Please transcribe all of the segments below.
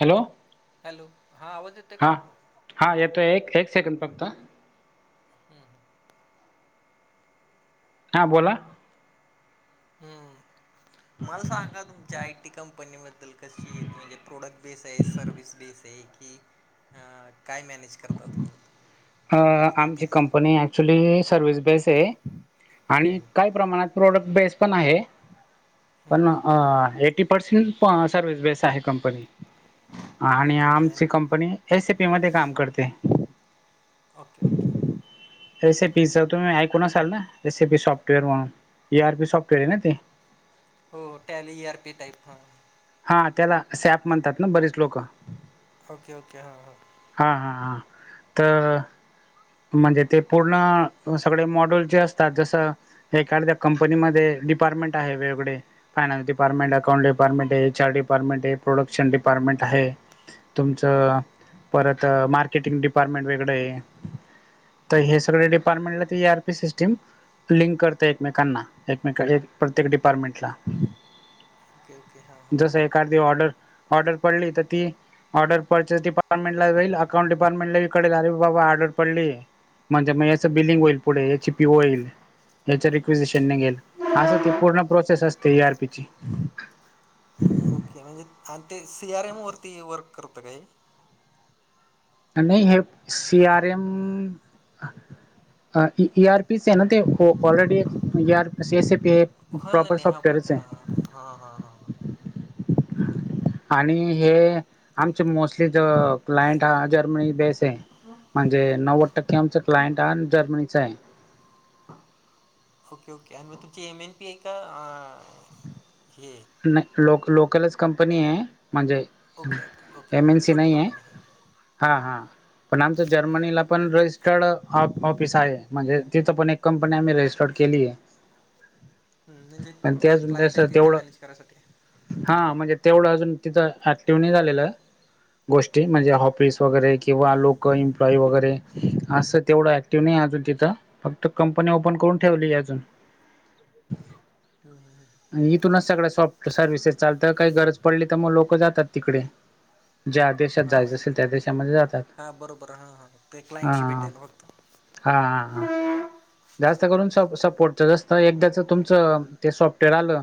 Hello. Hello हा आवाज येतो. हा हा येतोय. एक एक सेकंद फक्त. हम्. हा बोला. हम्म. मला सांगा तुमच्या आ ती कंपनी बद्दल कशी येत म्हणजेत प्रॉडक्ट बेस ये सर्विस बेस की. ह. काय मॅनेज करता तुम्ही. कंपनीचं आमची काय? आहे? कंपनी ऍक्च्युली सर्विस बेस आहे. हम्म आणि हम्म. काय, प्रमाणात प्रॉडक्ट बेस पण आहे. हम्म, पण अ.. हम्म. येटी पर्सनल सर्विस बेस आहे कंपनी. आणि ओके ओके आमची कंपनी. एसीपी मध्ये काम करते. Okay okay. A C P च तुम्ही ऐकून असाल ना, ए सी पी सॉफ्टवेअर म्हणून ए आर पी सॉफ्टवेअर आहे ते. हो Tally E R P type हं. हा त्याला सॅप म्हणतात ना बरीच लोकं. ओके ओके हां हां. हा हा हा तर. म्हणजे ते पूर्ण सगळे मॉडल जे असतात जसं. एखाद्या कंपनीमध्ये डिपार्टमेंट आहे वेगवेगळे. फायनान्स डिपार्टमेंट, अकाउंट डिपार्टमेंट, हाय एच आर डिपार्टमेंट हाय, प्रोडक्शन डिपार्टमेंट आहे. तुमचं परत मार्केटिंग डिपार्टमेंट वेगळं ये. तर हे सगळे डिपार्टमेंटला E R P system. Link करता येत नाही, त्यांना एकमेकांना एक प्रत्येक डिपार्टमेंटला. [inaudible] हां, जस एखादी ऑर्डर ऑर्डर पडली तर ती. ऑर्डर परचेसडिपार्टेंट ला जाई. अकांट डिपार्टेटला कडेल अरे बाबा ऑर्डर. पडली म्हणजे मग याच बिलिंग ईल याची पीओ होईल. यांच्यात रिक्विजशनने नये असं ते पूर्ण प्रोसेस असते एआरपी ची. ओके. म्हणजे आणि ते सी आर एम वरती वर्क करता का हे. आणि हे सी आर एम ए आर पीस आहे ना, ते ऑलरेडी ए आर पी स एस ए पे. हो ना प्रॉपर नाही हा ओके ओके सॉफ्टवेअरच हां आहे. हां हां हां हां. आणि हे आमचे मोस्टली ज क्लाइंट आ जर्मनी बेस आहे. ह. म्हणजे नव्वद टक्के आमचं क्लायंट आहे आणि जर्मनीचं आहे. Okay okay. आणि मग तुमची एम एन पी आहे का हे. नाही लोक लोकलच कंपनी आहे म्हणजे ओके ओके ओके एम हां एन सी छोटी नाही ह कंपनी हा हां हा आमच ज जर्मनी ला रजिस्टर ऑफिस आहे म्हणजे तिथ पण एक कंपनी आम्ही रजिस्टर् केली आहे. [inaudible] हम् म्हणजे पण ते तिथले अजून क्लायंट तसं आहे तिथे तेवढं मॅनेज करायसाठी हा म्हणजे तेवढं अजून तिथं ऍक्टिव्ह नाही झालेलं. गोष्टी म्हणजे ऑफिस वगैरे किंवा लोकं इम्प्लॉय वगैरे असं तेवढं आहे. त नाही अजून तिथं फक्त कंपनी ओपन करून ठेवली अजून. हम हम हम. इथूनच सगळं सॉफ्ट सर्व्हिसेस चालत काही गरज पडली तर, मग लोक जातात तिकडे ज्यात देशात हां जायचं म्हणजे असेल त्या देशामध्ये जातात हां बरोबर हां हां ते हा. क्लायंटशी भेटायला फक्त हा हा हा. जास्त करून स सपोर्टच जास्त एकदाच तुमचं ते सॉफ्टवेअर आलं.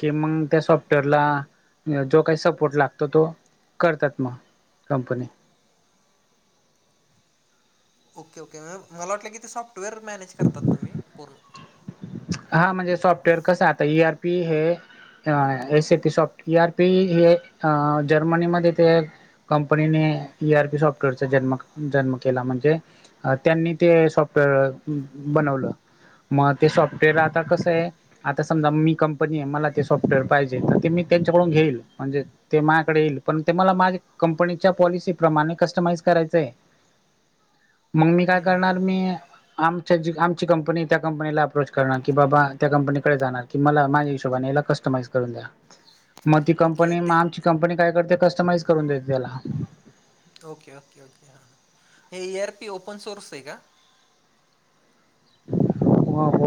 कि मग त्या सॉफ्टवेअरला जो काही सपोर्ट लागतो तो करतात मग. कंपनी. ओके ओके मग मला वाटलं की, ते सॉफ्टवेअर मॅनेज करतात तुम्ही पूर्ण. हा म्हणजे सॉफ्टवेअर कसं आता इ आर पी हे. ए सटीसॉफ्ट आर पी हे जर्मनीमध्ये ते कंपनीने इ आर पी सॉफ्टवेअरचा जन्म जन्म केला. म्हणजे, अ त्यांनी ते सॉफ्टवेअर बनवलं मग ते सॉफ्ट तेला आता कसं ये. आता समजा मी कंपनी आहे मला ते सॉफ्टवेअर पाहिजे तर ते मी त्यांच्याकडून घेईल म्हणजे? ते माझ्याकडे येईल पण ते मला माझ्या कंपनीच्या पॉलिसी प्रमाणे कस्टमाइज करायचं आहे. मग मी काय हम्म, हम्म, करणार हम्म. मी आमच्या आमची कंपनी त्या कंपनीला अप्रोच कणार की बाबा त्या कंपनीकडे जाणार की मला माझ्या हिशोबाने याला कस्टमाइज करून द्या. मग ती ओके कंपनी मग ते आमची कंपनी काय करते कस्टमाइज करून देते त्याला. ओके ओके ओके हा हे ए आर पी ओपन सोर्स आहे का?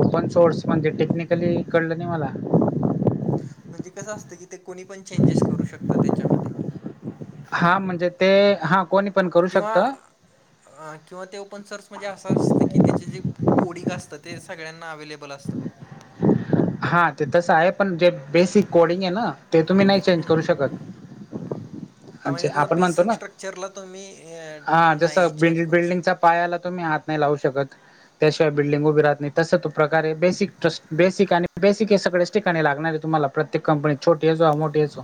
ओपन सोर्स म्हणजे टेक्निकली कळलं नाही मला. म्हणजे कसं असतं की ते, कोणी पण चेंजेस करू शकतं त्याच्यामध्ये. हा म्हणजे ते हा कोणी. पण करू किंवा शकत किंवा ते ओपन सोर्स म्हणजे असं असतं की त्याचे जे कोडिंग असतं ते सगळ्यांना अवे्लेबल असतं. हा ते तसं आहे पण जे बेसिक कोडिंग आहे ना ते तुम्ही नाही चेंज करू शकत. हा अच्छा म्हणजे त्याचा आपण म्हणतो बेसिक ना स्ट्रक्चरला तुम्ही अ, हा जस नाही चेंज बि- करू शकत. बिल्डिंगचा. पायाला तुम्ही हात नाही लावू शकत त्याशिवाय बिल्डिंग उभी राहत नाही. तस तो प्रकार ये बेसिक ट्रस्ट बेसिक आणि. बेसिक हे सगळेच ठिकाणी लागणार आहे. तुम्हाला प्रत्येक कंपनीत छोटी असो मोठी असो.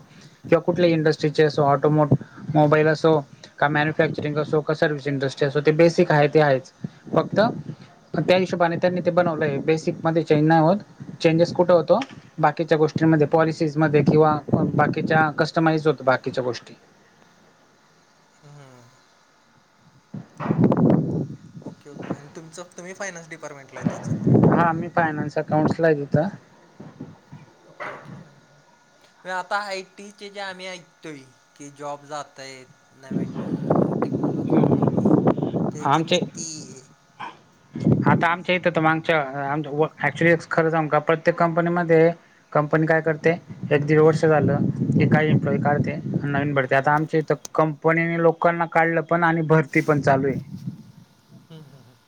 किंवा कुठली इंडस्ट्रीचे असो, ऑटोमोट मोबाईल असो. का मॅन्युफॅक्चरिंग असो का सर्व्हस इंडस्ट्री असो. ते बेसिक आहे ते आहेच फक्तं. त्या हिशोबाने त्यांनी ते बनवलंय बेसिक मध्ये चेंज नाही होत चेंजेस कुठं होतो. बाकीच्या गोष्टींमध्ये पॉलिसीजमध्ये, किंवा बाकीच्या कस्टमाइज होत बाकीच्या गोष्टी. हं [inaudible] ओके ओके आणि तुमचं तुम्ही फायन्स डिपार्टमेंटला आहे त्याच्यात. हा मी फायनान्स अकाउंट् ला आहे तिथं. ओके ओके हा‌. हा. म आता आयटीचे जे आम्ही ऐकतोय. की जॉब जातोय. नवीन टेक्नॉलॉजीमुळे त्याचं आमचे किती? [inaudible] आता आमच्या येत तर मागच्या ऍक्च्युली खरं सांगू का प्रत्येक कंपनीमध्ये कंपनी काय करते? एक दीड वर्ष झालं की काही एम्प्लॉई काढते आणि नवीन भरते आता आमच्या इथ कं पण याने लोकांना काढलं पण आणि भरती पण चालू आहे. हम् हम् हम्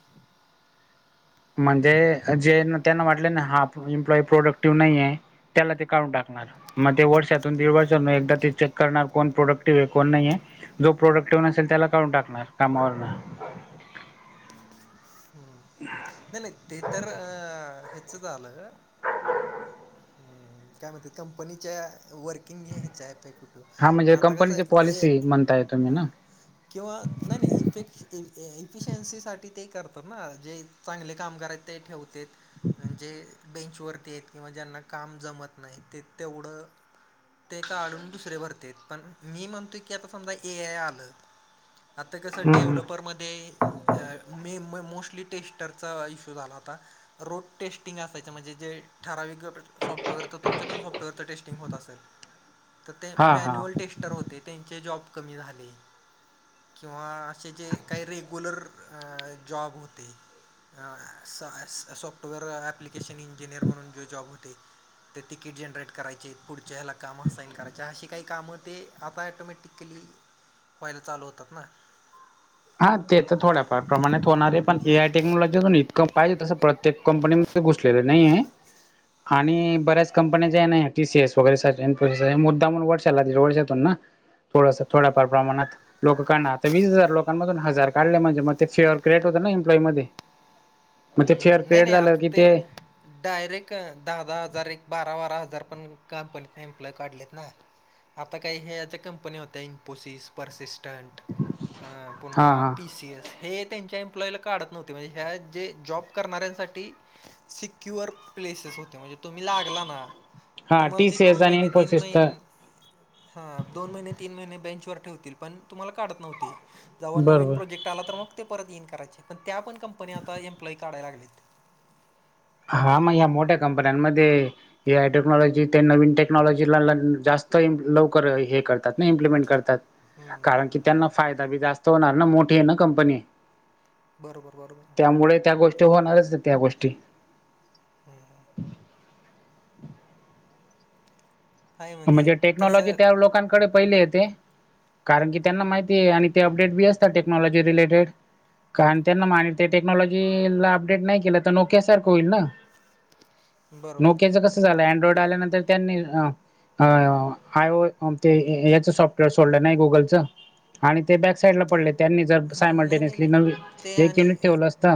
म्हणजे जे त्यांना वाटले ना हा, इम्प्लाय प्रोडक्टिव्ह नये आहे. त्याला ते काढून टाकणार. मग ते वर्षातून दीड वर्षात एकदा ते चेक करणार, कोण प्रोडक्टिव आहे कोण नाहीे. जो प्रोडक्टीव नसेल त्याला काढून टाकणार कामावरन. हम्म. नाही नाही ते तर अ ह्याच झालं. हम् काय म्हणतेत कंपनीच्या वर्किंग हे ॲप कु हा मग म्हणजे आता कसं कंपनीची ए पॉलिसी म्हणताय तुम्ही ना हं.. किंवा नाही नाही इफेक् इफिशियन्सीसाठी ते करतात ना जे चांगले कामगार आहेत ते ठेवते म्हणजे बेंचवरती आहेत किंवा ज्यांना काम जमत नाही ते तेवढं ते काढून दुसरे भरते पण मी म्हणतोय की, आता समजा ए आय आलं. आता कसं डेव्हलपरमध्ये मे मो मोस्टली टेस्टरचा इश्यू झाला होता. रोड टेस्टिंग असायच म्हणजे जे ठराविक सॉफ्टवेअर तर तुमच्या पण सॉफ्टवेअरच टेस्टिंग होत असेल. तर ते हां हां मॅन्युअल टेस्टर होते त्यांचे जॉब कमी झाले किंवा असे जे काही रेग्युलर जॉब होते. सॉफ्टवेअर ॲप्लिकेशन इंजिनिअर म्हणून जे जॉब होते. ते तिकीट जनरेट करायचे पुढच्या हेला काम असाईन करायचे. अशी काही कामं ते आता ॲटोमॅटिकली. फॉईल चालू होतात ना. हा ते तर थोड्याफार प्रमाणात होणार आहे, पण ए आय टेक्नॉलॉजी अजून इतकं पाहिजे तसं प्रत्येक कंपनी तिथे घुसलेले नाहीये. आणि बऱ्याच कंपन्याच नाही टीसीएस तसंच आहे वगैरे मुद्दाम वर्षाला वर्षातून ना थोड थोड्याफार प्रमाणात लोक काढणार वीस हजार लोक दुकान मधून हजार काढले म्हणजे मग ते चिअर क्रिएट होते ना एम्प्लॉय मध्ये. मग ते थेअर हम्म. नाही, क्रिएट नाही. झालं आता की ते डायरेक्ट दहा दहा हजार, एक बारा बारा हजार पण कंपनीत एम्प्लॉय काढलेत ना. आता काय हेच कंपनी होत्या इनपोसिस. परसिस्टंट हा पुन्हा हा टी सी एस हे त्यांच्या अप्लायला काढत नव्हते म्हणजे ह्या जे जॉब करणाऱ्यांनसाठी सिक्युअर प्लेसेस होते. म्हणजे तुम्ही लागला ना. हा तुम्हांला टी ते सी दोन एस आणि महिने तीन इन्फोसिस महि तर हा दोन महिने तीन महिने बेंचवर ठेवतील. पण तुम्हाला काढत नव्हते जेव्हा नवीन बरोबर प्रोजेक्ट. त्याला तर मग ते परत ईन करायचे. पण त्या पण कंपनी आता एम्प्लॉई काढाय लागलेत. हा मग ह्या मोठ्या कंपन्यांमध्ये. हे आय टेक्नॉलॉजी ते नवीन टेक्नॉलॉजीला जास्त लवकर हे करतात ना इम्प्लिमेंट करतात. कारण की त्यांना फायदा बी जास्त होणार ना मोठी आहे ना कंपनी. बरोबर, बरोबर. हं. त्यामुळें त्या गोष्टी होणारच त्या गोष्टी. हम्म. आहे म्हणजे टेक्नॉलॉजी तसं त्या लोकांनकडे पहिले येते. कारण की त्यांना माहिती आहे आणि ते अपडेट बी असतात टेक्नॉलॉजी रिलेटेड. कारण त्यांना माहीते टेक्नॉलॉजी ला अपडेट नाही केलं तर नोक्यासारखं होईल ना. बरोबर. नोकियाच कसं झालंय. अनड्रॉइड आल्यानंतर त्यांनी अ.. अ आय ते याच सॉफ्टवेअर सोडलं नाही गुगलचं. आणि ते बॅक साइडला पडले त्यांनी जर, नाही, नाही, सायमल्टेनिसली नाही. नवी ते एक आणि युनिट ठेवलं असत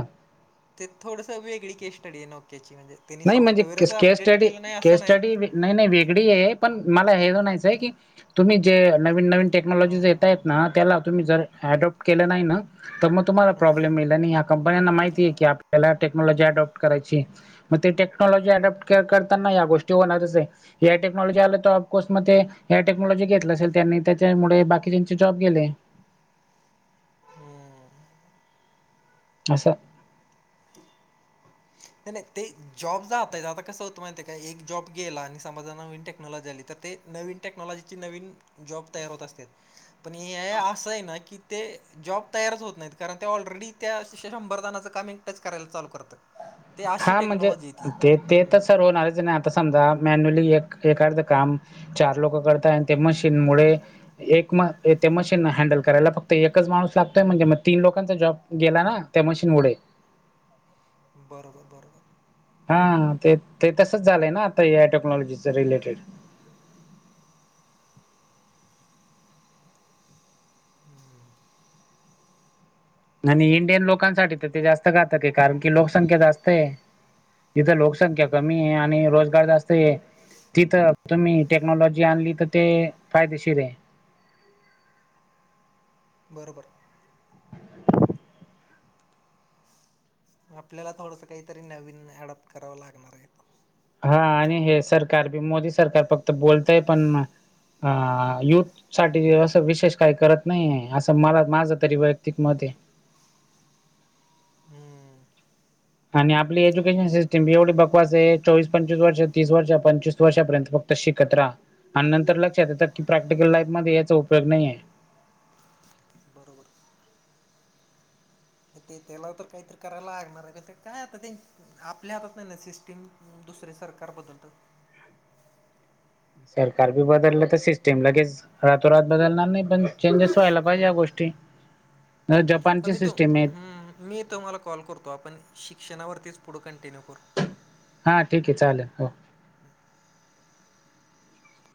ते थोडीस वेगळी केस स्टडी नोकीयाची म्हणजे. त्यांनी नाही म्हणजे सॉफ्टवेअरच केस के अपडेट स्टडी. केलं नाही के असं नाही. स्टडी वे नाही नाही वेगळी आहे, पण मला हे नाहीयचंय की. तुम्ही जे नवीन नवीन हां, टेक्नॉलॉजीज हां, येतायत. हां, ना हां, हां. त्याला तुम्ही जर ॲडॉप्ट केलं नाही ना. तर मग तुम्हाला प्रॉब्लेम येईल. आणि ह्या कंपन्यांना माहिती आहे की, आपल्याला टेक्नॉलॉजी अडॉप्ट करायची. मग ते टेक्नॉलॉजी अडेप्ट करताना. या गोष्टी होणारच ये. या टेक्नॉलॉजी आलं तर ऑफकोर्स मग ते. हे टेक्नॉलॉजी घेतलं असेल त्यांनी त्यांच्यामुळे बाकीच्या चे जॉब गेले. हम्म. [inaudible] नाही नाही ते जॉब जात आहेत. आता कसं होतं माहिती आहे काय, एक जॉब गेला आणि समाजा नवीन टेक्नॉलॉजी आली तर ते. नवीन टेक्नॉलॉजीची नवीन जॉब तयार होत असत्यात. पण हे असं आहे ना की ते जॉब तयारच होत नाहीत. कारण त्या ऑलरेडी त्या शंभर जनाच काम. टच करायला चालू करतय. हा म्हणजे ते ते तर हम्म. सर्व होणारच ना. समजा मॅन्युअली एक एकअर्ध काम चार लोकं करता ये. आणि ते मशीन मुळे, एक म ते मशीन हँडल करायला. फक्त एकच माणूस लागतोय म्हणजे. मग तीन लोकांचा जॉब गेला ना. त्या मशीन मुळे. बरोबर बरोबर. हा ते ते तसंच झालंय ना, आता या टेक्नॉलॉजीच रिलेटेड. हम्म. आणि इंडियन लोकांसाठी तर ते जास्तं घातक आहे. कारण की लोकसंख्या जास्त आहे. तिथे लोकसंख्या कमी आहे. आणि रोजगार जास्त ये. तिथं तुम्ही टेक्नॉलॉजी आणली. तर ते फायदेशीर आहे. बर बर. आपल्याला थोडंसं काहीतरी नवीन अॅडॉप्ट करावं लागणार आहे. हा आणि हे सरकार बी मोदी सरकार फक्त बोलतंय पण युथ. साठी असं विशेष काही करत नाही ये. असं मला माझं तरी वैयक्तिक मत आहे. हम्म. आणि आपली एजुकेशन सिस् सिस्टीम एवढी बकवास आहे चोवीस, पंचवीस वर्ष, तीस वर्ष, पंचवीस वर्षापर्यंत फक्त शिकत रहा. आणि नंतर लक्षात येतात की प्रॅक्टिकल लाईफ मध्ये याचा उपयोग नाही आहे. बरोबर. ते त्याला तर काहीतरी करायला लागणार आहे पण ते काय आता त् आपल्या हातात नाही ना सिस्टीम दुसरे सरकार बद्दलत. सरकार बी बदललं तर सिस्टीम लगेच रातोरात बदलणार नाही पण चेंजेस व्हायला पाहिजे या गोष्टी. हा जपानची मी तो सिस्टीम आहे हम्म मी तुम्हाला कॉल करतो आपण शिक्षणावरतीच पुढं कंटिन्यू करू हा ठीक आहे चालेल हो. हा.